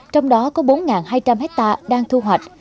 trong đó có bốn hai trăm linh hectare đang thu hoạch